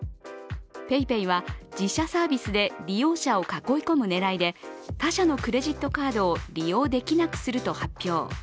ＰａｙＰａｙは自社サービスで利用者を囲い込む狙いで他社のクレジットカードを利用できなくすると発表。